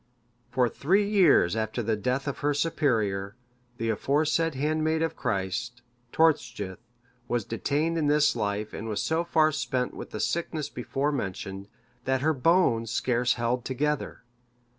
For three years after the death of her Superior, the aforesaid handmaid of Christ, Tortgyth, was detained in this life and was so far spent with the sickness before mentioned, that her bones scarce held together.